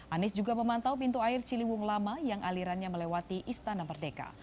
anies juga memantau pintu air ciliwung lama yang alirannya melewati istana merdeka